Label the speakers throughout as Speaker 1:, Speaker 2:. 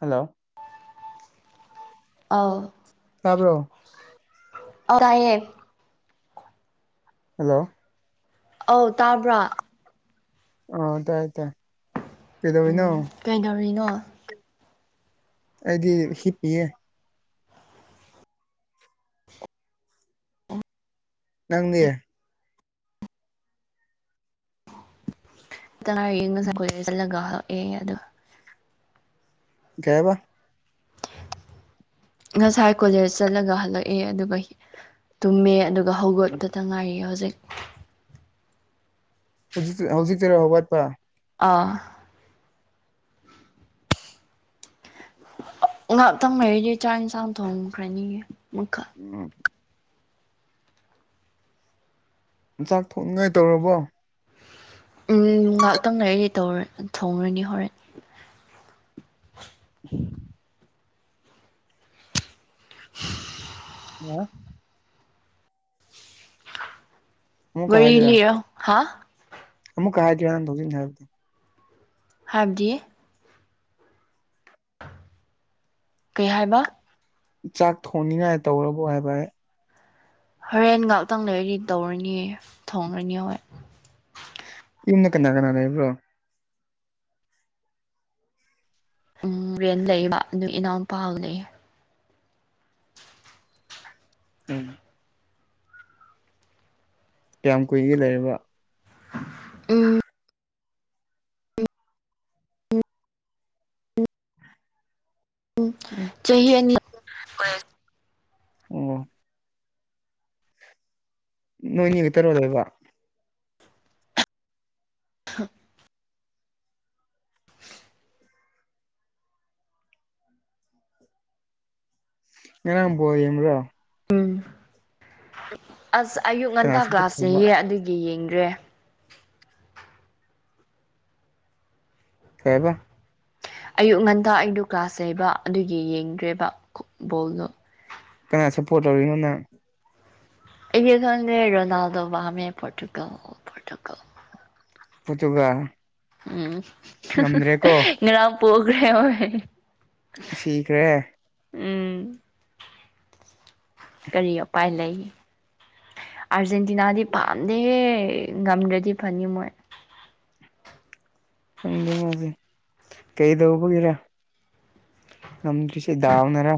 Speaker 1: hello
Speaker 2: ꯑ
Speaker 1: ꯇꯥꯕ꯭ꯔꯣ
Speaker 2: ꯑꯧ ꯇꯥꯏꯌꯦ
Speaker 1: ꯍꯜꯂꯣ
Speaker 2: ꯑꯧ ꯇꯥꯕ꯭ꯔꯥ
Speaker 1: ꯑ ꯇꯥꯏꯌꯦ ꯇꯥꯏ ꯀꯗꯣꯅꯣ
Speaker 2: ꯎꯝ ꯀꯩꯗꯧꯔꯤꯅꯣ
Speaker 1: ꯑꯩꯗꯤ ꯍꯤꯞꯄꯤ ꯅꯪꯅꯦ
Speaker 2: ꯇꯌꯦꯡ ꯉꯁꯥꯏ ꯈꯈꯣꯏ ꯆꯠꯂꯒ ꯍꯂꯛꯑꯦ ꯑꯗꯣ
Speaker 1: ꯀꯦꯕ
Speaker 2: ꯉꯁꯥꯏ ꯀꯣꯂꯦꯖ ꯆꯠꯂꯒ ꯍꯜꯂꯛꯑꯦ ꯑꯗꯨꯒ ꯇꯨꯝꯃꯦ ꯑꯗꯨꯒ ꯒ ꯍꯧꯒꯠꯄꯇ ꯉꯥꯏꯔꯤꯌꯦ ꯍꯧꯖꯤꯛ
Speaker 1: ꯍꯧꯖꯤꯛ ꯍꯧꯖꯤꯛꯇꯔ ꯍ ꯋꯥꯠꯄ
Speaker 2: ꯑꯥ ꯉꯍꯥꯛꯇꯪꯈꯩꯗꯤ ꯆꯥꯛ ꯌꯦꯟꯁꯥꯡ ꯊꯣꯡꯈ꯭ꯔꯅꯤꯌꯦ ꯑꯃꯨꯛ
Speaker 1: ꯎꯝ ꯆꯥꯛ ꯊꯣꯡꯅꯤꯡꯉꯥꯏ ꯇꯧꯔꯕꯣ
Speaker 2: ꯎꯝ ꯉꯥꯏꯍꯥꯛꯇꯪ ꯂꯩꯔꯤꯗꯤ ꯇꯧꯔ ꯊꯣꯡꯉꯨꯅꯤ ꯍꯣꯔꯦꯟ
Speaker 1: ꯎꯝ
Speaker 2: [unintelligible]
Speaker 1: ꯑ ꯑꯃꯨꯛꯀ
Speaker 2: ꯋꯥꯔꯤ ꯏ ꯍꯥ
Speaker 1: ꯑꯕꯨꯛ ꯀꯥ ꯌ ꯅ ꯊꯧꯁꯤ ꯅꯗꯤ
Speaker 2: ꯍꯥꯏꯕꯗꯤ ꯀꯩ ꯍꯥꯏꯕ
Speaker 1: ꯆꯥꯛ ꯊꯣꯡꯅꯤꯉꯥꯏ ꯇꯧꯔꯕꯣ ꯍꯥꯏꯕ
Speaker 2: ꯍꯣꯔꯦꯟ ꯉꯍꯥꯛꯇꯪ ꯂꯩꯗꯤ ꯇꯧꯔꯅꯤꯌꯦ ꯊꯣꯡꯔꯅꯤ ꯍꯣꯏ
Speaker 1: ꯌꯨꯝꯅ ꯀꯅꯥ ꯀꯅꯥ ꯂꯩꯕ꯭ꯔꯣ
Speaker 2: ꯎꯝ ꯔꯦꯟ ꯂꯩꯌꯦꯕ ꯑꯗꯨ ꯏꯅꯥꯎꯅꯄꯥ ꯂꯩꯌꯦ
Speaker 1: ꯎ ꯀꯌꯥꯝ ꯀꯨꯏꯒ ꯂꯩꯔꯤꯕꯔꯕ
Speaker 2: ꯎꯝ ꯆꯍꯤ ꯑꯅꯤ
Speaker 1: ꯎ ꯑꯣ ꯅꯣꯏꯅꯤ ꯈꯥꯇꯔꯣ ꯂꯩꯕ
Speaker 2: ꯍ
Speaker 1: ꯅꯪ ꯉꯔꯥꯡ ꯕꯣꯜ ꯌꯦꯡꯕꯔꯣ
Speaker 2: ꯎꯝ ꯑꯁ ꯑꯌꯨꯛ
Speaker 1: ꯀꯅꯥ
Speaker 2: ꯉꯟꯇꯥ
Speaker 1: ꯁꯞꯄꯣꯔꯠ ꯇꯧꯕ
Speaker 2: ꯀ꯭ꯂꯥꯁꯅꯦꯌꯦ ꯑꯗꯨꯒꯤ ꯌꯦꯡꯗ꯭ꯔꯦ
Speaker 1: ꯀꯕ
Speaker 2: ꯑꯌꯨꯛ ꯉꯟꯗ ꯑꯩꯗꯣ ꯀ꯭ꯂꯥꯁ ꯌꯕ ꯑꯗꯨꯒꯤ ꯌꯦꯡꯗ꯭ꯔꯦꯕꯕꯣꯜꯗꯣ
Speaker 1: ꯀꯅꯥ ꯁꯄꯣꯔꯠ ꯇꯧꯔꯤꯅꯣꯅ
Speaker 2: ꯑꯩꯗꯤ ꯈꯪꯗꯦ ꯔꯣꯅꯥꯜꯗꯣ ꯄꯥꯝꯃꯦ ꯄꯣꯇꯨꯒꯜ ꯄꯣꯔꯇꯨꯒꯜ
Speaker 1: ꯄꯇꯨꯒꯜ
Speaker 2: ꯎꯝ ꯉꯔꯥꯡ ꯄꯣꯒ꯭ꯔꯦ
Speaker 1: ꯁꯤꯤꯈ ꯔꯦ
Speaker 2: ꯎꯝ ꯀꯔꯤ ꯎꯄꯥꯏ ꯂꯩ ꯑꯥꯔꯖꯦꯟꯇꯤꯅꯥꯗꯤ ꯄꯥꯝꯗꯦ ꯉꯝꯗ꯭ꯔꯗꯤ ꯐꯅꯤ ꯃꯣꯏ
Speaker 1: ꯈꯪꯗꯦꯉꯁꯦ ꯀꯩꯗꯧꯕꯒꯤꯔꯥ ꯅꯝ ꯁꯤ ꯗꯗꯥꯥꯎꯅꯔ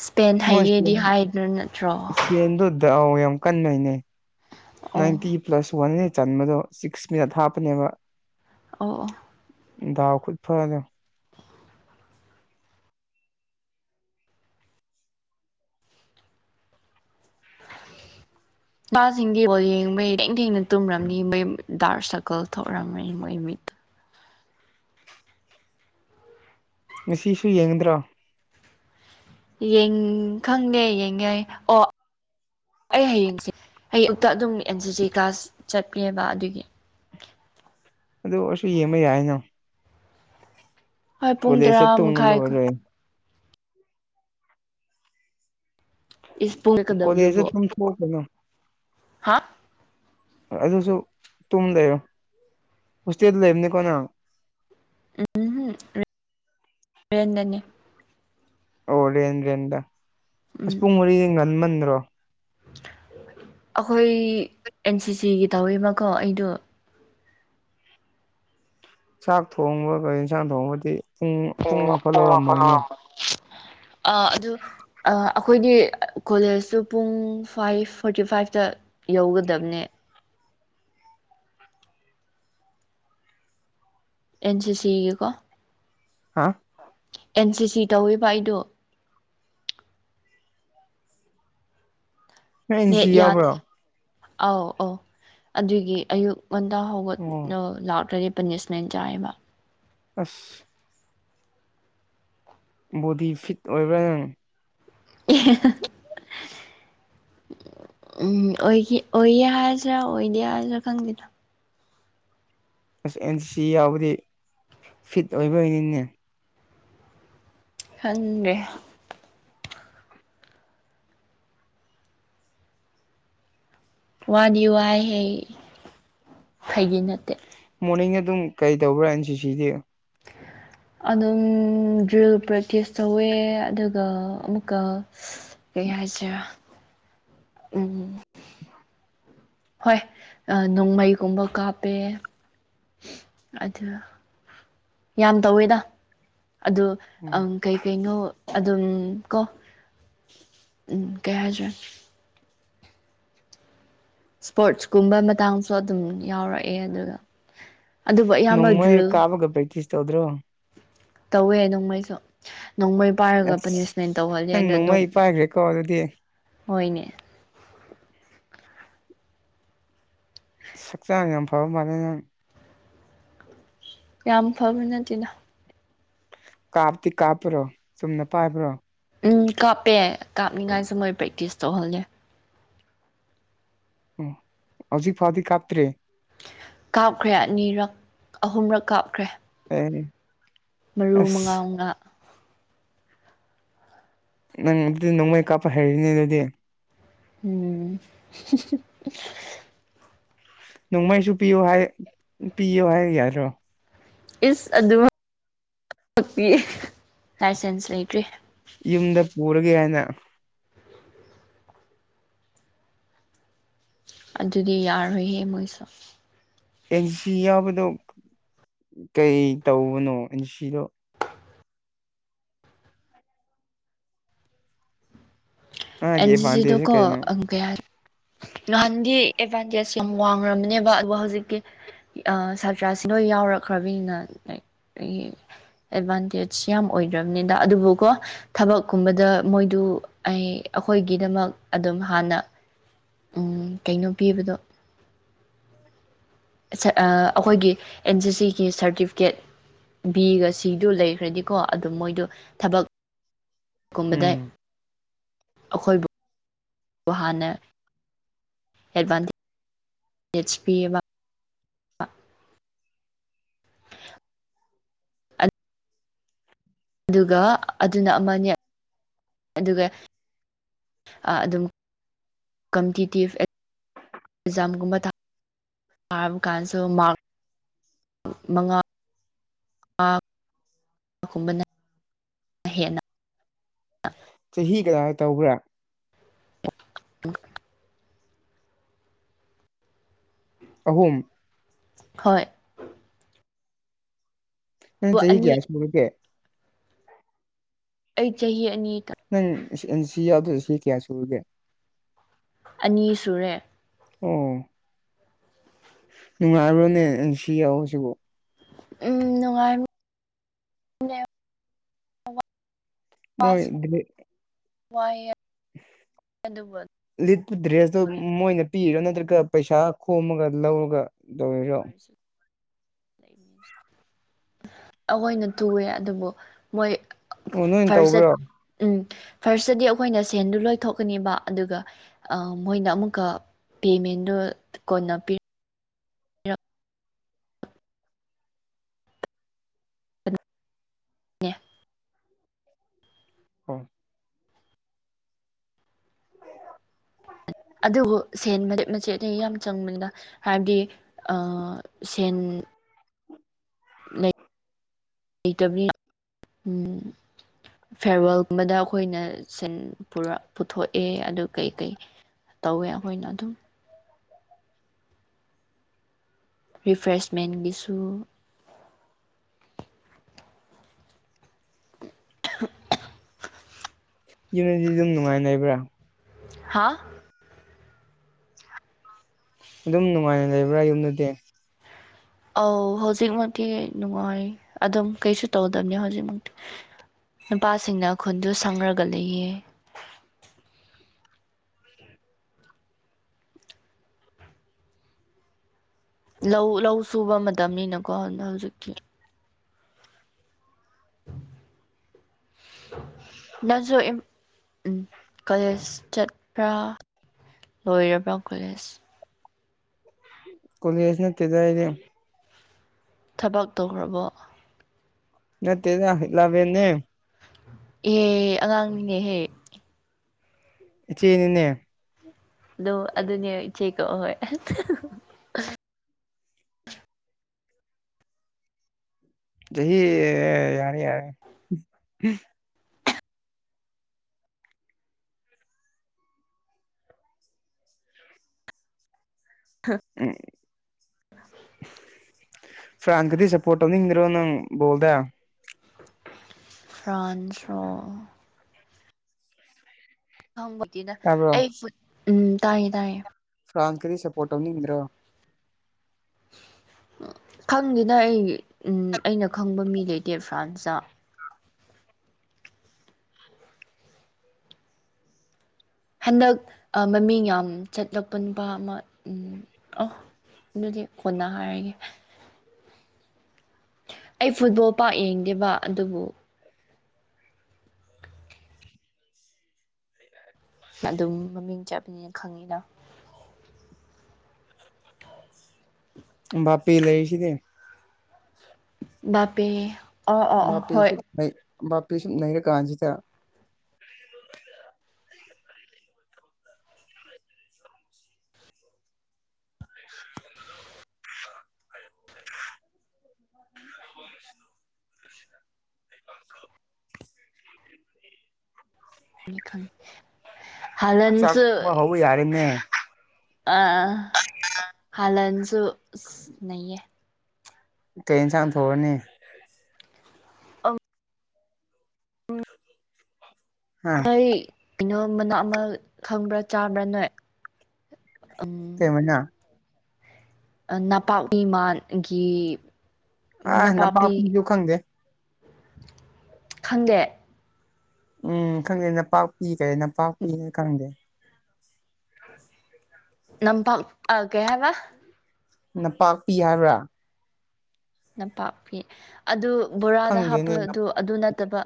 Speaker 2: ꯏꯁꯄꯦꯟ ꯍꯩꯌꯦꯗꯤ ꯍꯥꯏꯗꯅ ꯅꯠꯇ꯭ꯔꯣ
Speaker 1: ꯄꯦꯟꯗꯨꯗ ꯑꯥꯎ ꯌꯥꯝ ꯀꯟꯅꯣꯏꯅꯦ
Speaker 2: ꯑꯣ
Speaker 1: ꯅꯥꯏꯟꯇꯤ ꯄ꯭ꯂꯁ ꯋꯥꯟ ꯆꯟꯕꯗꯣ ꯁꯤꯛꯁ ꯃꯤꯅꯠ ꯍꯥꯞꯄꯅꯦꯕ
Speaker 2: ꯑꯣ ꯑꯣ
Speaker 1: ꯗꯥꯎ ꯈꯨꯠ ꯐꯔꯗꯦ
Speaker 2: ꯑ ꯏꯄꯥꯁꯤꯡꯒꯤꯗꯤ ꯕꯣꯜ ꯌꯦꯡꯕꯩ ꯂꯦꯡ ꯊꯦꯡꯅ ꯇꯨꯝꯔꯝꯅꯤ ꯃꯣꯏ ꯗꯥꯔꯛ ꯁꯔꯀꯜ ꯊꯣꯛꯔꯝꯅꯤ ꯃꯣꯏ ꯃꯤꯠꯇ
Speaker 1: ꯉꯁꯤꯁꯨ ꯌꯦꯡꯒꯗ꯭ꯔꯥ
Speaker 2: ꯡ ꯈꯪꯒꯦ ꯌꯦꯡꯒꯦ ꯑꯣ ꯑꯩ ꯍꯌꯦꯡꯁꯦ ꯑꯌꯨꯛꯇ ꯑꯗꯨꯝ ꯑꯦꯟ ꯁꯤ ꯁꯤ ꯀꯥꯁ ꯆꯠꯄꯦꯕ ꯑꯗꯨꯒꯤ
Speaker 1: ꯑꯗꯨ ꯑꯣꯏꯁꯨ ꯌꯦꯡꯕ ꯌꯥꯏꯅꯪ
Speaker 2: ꯍꯣꯏ ꯄꯨꯡ ꯇꯔꯥ
Speaker 1: ꯀꯣꯂꯦꯖꯇ ꯇꯨꯝꯒ
Speaker 2: ꯃꯈꯥꯏ
Speaker 1: ꯂꯣꯏꯔꯦ
Speaker 2: ꯏꯁ ꯄꯨꯡ
Speaker 1: ꯀꯣꯂꯦꯁꯇꯥ
Speaker 2: ꯀꯗꯕꯗꯨꯕꯣ
Speaker 1: ꯇꯨꯝꯊꯣꯛꯑꯣ ꯀꯩꯅꯣ
Speaker 2: ꯍꯥ
Speaker 1: ꯑꯗꯨꯁꯨ ꯇꯨꯝ ꯂꯩꯔꯣ ꯍꯣꯁꯇꯦꯜꯗ ꯂꯩꯕꯅꯤꯀꯣ ꯅꯪ
Speaker 2: [unintelligible] ꯔꯦꯟꯗꯅꯤ
Speaker 1: ꯑꯣ ꯔꯦꯟ ꯔꯦꯟꯗ ꯑꯁ
Speaker 2: ꯎꯝ
Speaker 1: ꯄꯨꯡ ꯃꯔꯤꯗꯤ ꯉꯟꯃꯟꯗ꯭ꯔꯣ
Speaker 2: ꯑꯩꯈꯣꯏ ꯑꯦꯟ ꯁꯤ ꯁꯤꯒꯤ ꯇꯧꯋꯦꯕꯀꯣ ꯑꯩꯗꯣ
Speaker 1: ꯆꯥꯛ ꯊꯣꯡꯕꯒꯒꯥ ꯌꯦꯟꯁꯥꯡ ꯊꯣꯡꯕꯗꯤ ꯄꯨꯡ ꯄꯨꯡ ꯃꯥꯄꯜ ꯂꯧꯔꯝꯃꯣꯏꯅꯦ
Speaker 2: ꯑ ꯑꯗꯨ ꯑꯩꯈꯣꯏꯗꯤ ꯀꯣꯂꯦꯖꯇꯨ ꯄꯨꯡ ꯐꯥꯏꯚ ꯐꯣꯔꯇꯤ ꯐꯥꯏꯚꯇ ꯌꯧꯒꯗꯕꯅꯦ ꯑꯦꯟ ꯁꯤ ꯁꯤꯒꯤꯀꯣ
Speaker 1: ꯍꯥ
Speaker 2: ꯑꯦꯟ ꯁꯤ ꯁꯤ ꯇꯧꯋꯦꯕ ꯑꯩꯗꯣ
Speaker 1: ꯅꯣꯏ ꯑꯦꯟ
Speaker 2: ꯅꯦꯠ
Speaker 1: ꯁꯤ
Speaker 2: ꯌꯥꯗꯦ
Speaker 1: ꯌꯥꯎꯕ꯭ꯔꯣ
Speaker 2: ꯑꯧ ꯑꯧ ꯑꯗꯨꯒꯤ ꯑꯌꯨꯛ ꯉꯟꯇꯥ
Speaker 1: ꯑꯣ
Speaker 2: ꯍꯧꯒꯠꯂꯥ ꯂꯥꯛꯇ꯭ꯔꯗꯤ ꯄꯅꯤꯁꯃꯦꯟ ꯆꯥꯏꯑꯦꯕ
Speaker 1: ꯑꯁ ꯕꯣꯗꯤ ꯐꯤꯠ ꯑꯣꯏꯕ꯭ꯔꯥ ꯅꯪ
Speaker 2: ꯑꯦ [unintelligible] ꯎꯝ ꯑꯣꯏꯈꯤ ꯑꯣꯏꯌꯦ ꯍꯥꯏꯁꯤꯔꯥ ꯑꯣꯏꯗꯦ ꯍꯥꯏꯁꯤꯔꯥ ꯈꯪꯗꯦꯗꯥ
Speaker 1: ꯑꯁ ꯑꯦꯟ ꯁꯤ ꯁꯤ ꯌꯥꯎꯕꯗꯤ ꯐꯤꯠ ꯑꯣꯏꯕ ꯑꯣꯏꯅꯤꯅꯦ
Speaker 2: ꯈꯪ ꯗ꯭ꯔꯦ ꯋꯥꯗꯤ ꯋꯥꯏꯍꯩ ꯐꯥꯒꯤ ꯅꯠꯇꯦ
Speaker 1: ꯃꯣꯔꯅꯤꯡꯗꯥ ꯑꯗꯨꯝ ꯀꯩ ꯇꯧꯕ꯭ꯔꯥ ꯑꯦꯟ ꯁꯤ ꯁꯤꯗꯤ
Speaker 2: ꯍ [inaudible] ꯑꯗꯨꯝ ꯗ꯭ꯔꯤꯜ ꯄ꯭ꯔꯦꯛꯇꯤꯁ ꯇꯧꯋꯦ ꯑꯗꯨꯒ ꯑꯃꯨꯛꯀ ꯀꯩ ꯍꯥꯏꯁꯤꯔꯥ ꯎꯝ ꯍꯣꯏ ꯅꯣꯡꯃꯩꯒꯨꯝꯕ ꯀꯥꯞꯄꯦ ꯑꯗꯨ ꯌꯥꯝ ꯇꯧꯋꯦꯗ ꯑꯗꯨ
Speaker 1: ꯎꯝ
Speaker 2: ꯑꯪ ꯀꯩꯀꯩꯅꯣ ꯑꯗꯨꯝ ꯀꯣ ꯎꯝ ꯀꯩ ꯍꯥꯏꯖꯦꯔꯥ ꯏꯁꯄꯣꯔꯠ꯭ꯁ ꯀꯨꯝꯕ ꯃꯇꯥꯡꯁꯨ ꯑꯗꯨꯝ ꯌꯥꯎꯔꯛꯑꯦ ꯑꯗꯨꯒ ꯑꯗꯨꯕꯨ ꯑꯌꯥꯝꯕ
Speaker 1: ꯅꯣꯡꯃꯩ
Speaker 2: ꯗ꯭ꯔꯤꯜ
Speaker 1: ꯀꯥꯞꯄꯒ ꯄꯔꯦꯛꯇꯤꯁ ꯇꯧꯗ꯭ꯔꯣ
Speaker 2: ꯇꯧꯋꯦ ꯅꯣꯡꯃꯩꯁꯨ ꯅꯣꯡꯃꯩ ꯄꯥꯏꯔꯒ
Speaker 1: ꯑꯁ
Speaker 2: ꯄꯅꯤꯁꯃꯦꯟ ꯇꯧꯍꯂ
Speaker 1: ꯅꯪ
Speaker 2: ꯑꯗꯣ ꯅꯣꯡ
Speaker 1: ꯅꯣꯡꯃꯩ ꯄꯥꯏꯈ꯭ꯔꯦꯀꯣ ꯑꯗꯨꯗꯤ
Speaker 2: ꯍꯣꯏꯅꯦ
Speaker 1: ꯍꯛꯆꯥꯡ ꯉꯝ ꯐꯕ ꯃꯥꯥꯟꯂꯦ ꯅꯪ
Speaker 2: ꯌꯥꯝ ꯐꯕ ꯅꯠꯇꯦꯗꯥ
Speaker 1: ꯀꯥꯞꯇꯤ ꯀꯥꯞꯄ꯭ꯔꯣ ꯆꯨꯝꯅ ꯄꯥꯏꯕ꯭ꯔꯣ
Speaker 2: ꯎꯝ ꯀꯥꯞꯄꯦ ꯀꯥꯞꯅꯤꯡꯉꯥꯏꯁꯨ ꯃꯣꯏ ꯄ꯭ꯔꯦꯛꯇꯤꯁ ꯇꯧꯍꯜꯂꯦ
Speaker 1: ꯎꯝ ꯍꯧꯖꯤꯛ ꯐꯥꯎꯗꯤ ꯀꯥꯞꯇ꯭ꯔꯤ
Speaker 2: ꯀꯥꯞꯈ꯭ꯔꯦ ꯑꯅꯤꯔꯛ ꯑꯍꯨꯝꯔꯛ ꯀꯥꯞꯈ꯭ꯔꯦ
Speaker 1: ꯑꯦ [unintelligible]
Speaker 2: ꯃꯔꯨ ꯃꯉꯥ
Speaker 1: ꯑꯁ
Speaker 2: ꯃꯉꯥ
Speaker 1: ꯅꯪ ꯑꯗꯨꯗꯤ ꯅꯣꯡꯃꯩ ꯀꯥꯄ ꯍꯩꯔꯤꯅꯦ ꯑꯗꯨꯗꯤ
Speaker 2: ꯎꯝ [unintelligible]
Speaker 1: ꯅꯣꯡꯃꯩꯁꯨ ꯄꯤꯌꯣ ꯍꯥꯏ ꯄꯤꯌꯣ ꯍꯥꯏ ꯌꯥꯗ꯭ꯔꯣ
Speaker 2: ꯏꯁ ꯑꯗꯨꯃꯛ ꯄꯤ ꯂꯥꯏꯁꯦꯟꯁ ꯂꯩꯇ꯭ꯔꯦ
Speaker 1: ꯌꯨꯝꯗ ꯄꯨꯔꯒꯦ ꯍꯥꯏꯅ
Speaker 2: ꯑꯗꯨꯗꯤ ꯌꯥꯔ ꯍꯍꯦ ꯃꯣꯏ ꯆ
Speaker 1: ꯑꯦꯟ ꯁꯤ ꯌꯥꯎꯕꯗꯣ ꯀꯩ ꯇꯧꯕꯅꯣ ꯑꯦꯟ ꯁꯤꯗꯣ ꯃꯥꯒꯤ
Speaker 2: ꯑꯦꯟ ꯖꯤꯖꯤꯗꯣ
Speaker 1: ꯑꯦꯗꯚꯥꯟꯇꯦꯖꯁꯦ
Speaker 2: ꯀꯣ
Speaker 1: ꯀꯩꯅꯣ
Speaker 2: ꯑꯪ ꯀꯌꯥꯔ ꯅꯍꯥꯟꯒꯤ ꯑꯦꯗꯚꯥꯟꯇꯦꯖ ꯌꯥꯝ ꯋꯥꯡꯈ꯭ꯔꯕꯅꯦꯕ ꯑꯗꯨꯒ ꯍꯧꯖꯤꯛꯀꯤ ꯁꯥꯇ꯭ꯔꯁꯤ ꯂꯣꯏ ꯌꯥꯎꯔꯛꯈ꯭ꯔꯕꯅꯤꯅ ꯂꯥꯏꯛ ꯑꯩꯒꯤ ꯑꯦꯗꯚꯥꯟꯇꯦꯖ ꯌꯥꯝ ꯑꯣꯏꯗ꯭ꯔꯕꯅꯤꯗ ꯑꯗꯨꯕꯨꯀꯣ ꯊꯕꯛꯀꯨꯝꯕꯗ ꯃꯣꯏꯗꯨ ꯑꯩ ꯑꯩꯈꯣꯏꯒꯤꯗꯃꯛ ꯑꯗꯨꯝ ꯍꯥꯟꯅ ꯀꯩꯅꯣ ꯄꯤꯕꯗꯣ
Speaker 1: ꯎ
Speaker 2: [unintelligible] ꯑꯩꯈꯣꯏꯒꯤ ꯑꯦꯟ ꯖꯤ ꯁꯤꯒꯤ ꯁꯥꯔꯇꯤꯐꯤꯀꯦꯠ ꯕꯤꯒ ꯁꯤꯗꯨ ꯂꯩꯈ꯭ꯔꯗꯤꯀꯣ ꯑꯗꯨ ꯃꯣꯏꯗꯣ ꯊꯕꯛ ꯀꯨꯝꯕꯗꯩꯩ
Speaker 1: ꯎꯝ
Speaker 2: ꯑꯩꯈꯣꯏꯕꯨ ꯍꯥꯟꯅ ꯑꯦꯗꯕꯥꯟꯇꯦꯠ ꯇꯦꯁ ꯄꯤꯌꯦꯕꯥ ꯑ [unintelligible] ꯑꯗꯨꯒ ꯑꯗꯨꯅ ꯑꯃꯅꯤ ꯑꯗꯨꯒ ꯑꯗꯨꯝ ꯀꯝꯄꯤꯇꯤꯇꯤꯞ ꯑꯦꯛꯖꯥꯝꯒꯨꯝꯕ ꯊꯥꯕ ꯀꯥꯟꯁꯨ ꯃꯥꯔꯛ ꯃꯉꯥ ꯨꯝꯕꯅ
Speaker 1: ꯆꯍꯤ ꯀꯗꯥꯏ ꯇꯧꯕ꯭ꯔꯥ
Speaker 2: ꯎꯝ
Speaker 1: ꯑꯍꯨꯝ
Speaker 2: ꯍꯣꯏ
Speaker 1: ꯎ
Speaker 2: ꯑꯣ
Speaker 1: ꯆꯍꯤ ꯍ
Speaker 2: ꯑꯅꯤ
Speaker 1: ꯀꯦꯌꯥꯁꯦ
Speaker 2: ꯑꯩ ꯆꯍꯤ ꯑꯅꯤꯗ
Speaker 1: ꯅꯪ ꯁꯤ ꯌꯥꯎꯗ ꯁꯤ ꯀꯌꯥ ꯁꯨꯨꯔꯒꯦ
Speaker 2: ꯑꯅꯤ ꯁꯨꯔꯦ
Speaker 1: ꯑꯣ ꯅꯨꯡꯉꯥꯏꯔꯣꯅꯦ ꯁꯤ ꯌꯥꯎ ꯁꯤꯕꯨ
Speaker 2: ꯎꯝ ꯅꯅꯨꯡꯉꯥ
Speaker 1: ꯃꯣꯏ
Speaker 2: ꯋꯥꯏꯔ
Speaker 1: ꯂꯤ ꯗ꯭ꯔꯦꯁ
Speaker 2: ꯑꯗꯨꯝ
Speaker 1: ꯃꯣꯏꯅ ꯄꯤꯔꯣ ꯅꯠꯇ꯭ꯔꯒ ꯄꯩꯁꯥ ꯈꯣꯝꯃꯒ ꯂꯧꯔꯒ ꯇꯧꯕꯔꯤꯔꯣ
Speaker 2: ꯂꯩꯃꯤꯅ ꯑꯩꯈꯣꯏꯅ ꯇꯨꯑꯦ ꯑꯗꯨꯕꯨ ꯃꯣꯏ
Speaker 1: ꯑꯣ ꯅꯣꯏꯅ
Speaker 2: ꯐꯥꯔꯁ
Speaker 1: ꯇꯧꯕ꯭ꯔꯣ
Speaker 2: ꯁꯠ ꯎꯝ ꯐꯥꯔꯁꯇꯗꯤ ꯑꯩꯈꯣꯏꯅ ꯁꯦꯟꯗꯨ ꯂꯣꯏ ꯊꯣꯛꯣꯛꯀꯅꯤꯕ ꯑꯗꯨꯒ ꯃꯣꯏꯅ ꯑꯃꯨꯛꯀ ꯄꯦꯃꯦꯟꯗꯨ ꯀꯣꯟꯅ ꯄꯤꯔ ꯑꯌꯥ
Speaker 1: ꯑ
Speaker 2: ꯑꯗꯨꯕꯨ ꯁꯦꯟ ꯃꯦꯛ ꯃꯆꯦꯠꯅꯤ ꯌꯥꯝ ꯆꯪꯕꯗ ꯍꯥꯏꯕꯗꯤ ꯁꯦꯟ ꯂꯩꯇꯕꯅꯤ ꯎꯝ ꯐꯦꯔꯋꯥꯦꯜꯒꯨꯝꯕꯗ ꯑꯩꯈꯣꯏꯅ ꯁꯤꯟ ꯄꯨꯊꯣꯛꯑꯦ ꯑꯗꯨ ꯀꯩ ꯀꯩ ꯇꯧꯋꯦ ꯑꯩꯈꯣꯏꯅ ꯑꯗꯨꯝ ꯔꯤꯐ꯭ꯔꯦꯁꯃꯦꯟꯒꯤꯁꯨ [inaudible]
Speaker 1: ꯌꯅꯗꯤ ꯑꯗꯨꯝ ꯅꯨꯡꯉꯥꯏ ꯂꯩꯕ꯭ꯔꯥ
Speaker 2: ꯍꯥꯥ
Speaker 1: ꯑꯗꯨꯝ ꯅꯨꯡꯉꯥꯏꯅ ꯂꯩꯕ꯭ꯔꯥ ꯌꯨꯝꯗꯗꯤ
Speaker 2: ꯑꯧ ꯍꯧꯖꯤꯛꯃꯛꯇꯤ ꯅꯨꯡꯉꯥꯏ ꯑꯗꯨꯝ ꯀꯩꯁꯨ ꯇꯧꯗꯕꯅꯦ ꯍꯧꯖꯤꯛꯃꯛꯇꯤ ꯅꯨꯄꯥꯁꯤꯡꯅ ꯈꯨꯟꯗꯨ ꯁꯪꯔꯒ ꯂꯩꯌꯦ ꯂꯧ ꯂꯧ ꯁꯨꯕ ꯃꯇꯝꯅꯤꯅꯀꯣ ꯍꯧꯖꯤꯛꯀꯤ [inaudible] ꯅꯪꯁꯨ ꯏꯝ ꯀꯣꯂꯦꯖ ꯆꯠꯄ꯭ꯔꯥ ꯂꯣꯏꯔꯕ꯭ꯔꯥ ꯀꯣꯂꯦꯁ
Speaker 1: ꯀꯣꯂꯦꯖ ꯅꯠꯇꯦꯗꯥ ꯑꯩꯗꯤ
Speaker 2: ꯊꯕꯛ ꯇꯧꯈ꯭ꯔꯕꯣ
Speaker 1: ꯅꯠꯇꯦꯗꯥ ꯏꯂꯥꯕꯦꯟꯅꯦ
Speaker 2: ꯑꯦꯍ ꯑꯉꯥꯡꯅꯤꯅꯦꯍꯦ
Speaker 1: ꯏꯆꯦꯅꯤꯅꯦ
Speaker 2: ꯑꯗꯣ ꯑꯗꯨꯅꯦ ꯏꯆꯦꯀꯣ ꯑ ꯍꯣꯏ
Speaker 1: ꯆꯍꯤ ꯌꯥꯔꯦ ꯌꯥꯔꯦ
Speaker 2: ꯍ
Speaker 1: ꯑꯦ ꯐ꯭ꯔꯥꯟꯀꯗꯤ ꯁꯄꯣꯣꯅꯤ ꯃꯔꯣꯅ ꯣꯜꯗ
Speaker 2: ꯐ꯭ꯔꯥꯟꯁ ꯔꯣ ꯈꯪꯕꯗꯤꯗ
Speaker 1: ꯇꯥꯕ꯭ꯔꯣ
Speaker 2: ꯑꯩ ꯐꯨꯠ ꯎꯝ ꯇꯥꯏꯌꯦ ꯇꯥꯏꯌꯦ
Speaker 1: ꯐ꯭ꯔꯥꯟꯁ ꯀꯗꯤ ꯁꯄꯣꯔꯠꯧꯅꯤ꯭ꯔꯣ
Speaker 2: ꯈꯪꯗꯦꯅ ꯑꯩ ꯑꯩꯅ ꯈꯪꯕ ꯃꯤ ꯂꯩꯇꯦ ꯐ꯭ꯔꯥꯟꯁꯇ ꯍꯟꯗꯛ ꯃꯃꯤꯡ ꯌꯥꯝ ꯆꯠꯂꯛꯄ ꯅꯨꯄꯥ ꯑꯃ ꯑꯣ ꯑꯗꯨꯗꯤ ꯀꯣꯟꯅ ꯍꯥꯏꯔꯒꯦ ꯑꯩ ꯐꯨꯠꯕꯣꯜ ꯄꯥꯛ ꯌꯦꯡꯗꯦꯕ ꯑꯗꯨꯕꯨ [inaudible] ꯑꯗꯨꯝ ꯃꯃꯤꯡ ꯆꯠꯄꯅꯤꯅ ꯈꯪꯉꯤꯗꯥ
Speaker 1: ꯑꯝꯕꯥꯄꯦ ꯂꯩꯔꯤꯁꯤꯗꯤ
Speaker 2: ꯕꯥꯕꯦ
Speaker 1: ꯕꯥꯄꯤ ꯁꯨ ꯅꯩ ꯕꯥꯄꯤ ꯁꯨ ꯅꯩꯔ ꯀꯥꯟꯁꯤꯗꯥ
Speaker 2: ꯅꯤ ꯈꯪ
Speaker 1: ꯆꯥꯛ ꯕꯥ ꯍꯧꯕ ꯌꯥꯔꯦ ꯅꯦ
Speaker 2: ꯑꯥ ꯍꯜꯂꯟꯁꯨ ꯏꯁ ꯅꯩꯌꯦ
Speaker 1: ꯀꯩ ꯌꯦꯟꯁꯥꯡ ꯊꯣꯡꯉꯥꯅꯤ ꯍꯥ
Speaker 2: ꯑꯩ ꯀꯩꯅꯣ ꯃꯅꯥ ꯑꯃ ꯈꯪꯕ꯭ꯔꯥ ꯆꯥꯕ꯭ꯔꯥ ꯅꯣꯏ ꯎꯝ
Speaker 1: ꯀꯩ ꯃꯅꯥ
Speaker 2: ꯅꯄꯥꯛꯄꯤ ꯏꯃꯥꯟꯒꯤ
Speaker 1: ꯑꯥ ꯅꯄꯥꯛꯄꯤꯖꯨ ꯈꯪꯗꯦ
Speaker 2: ꯈꯪꯗꯦ
Speaker 1: ꯎꯝ ꯈꯪꯗꯦ ꯅꯄꯥꯛꯄꯤ ꯀꯦ ꯅꯄꯥꯛꯄꯤꯅꯦ ꯈꯪꯗꯦ
Speaker 2: ꯅꯝꯄꯥꯛ ꯑꯥ ꯀꯦ ꯍꯥꯏꯕ
Speaker 1: ꯅꯄꯥꯛꯄꯤ ꯍꯥꯏꯕ꯭ꯔꯥ
Speaker 2: ꯅꯄꯥꯛꯀꯤ ꯑꯗꯨ ꯕꯣꯔꯥꯗꯥ
Speaker 1: ꯈꯪꯗꯦꯅꯦ ꯅ
Speaker 2: ꯍꯥꯞꯄꯗꯨ ꯑꯗꯨ ꯅꯠꯇꯕ